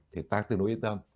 thì ta tự nối yên tâm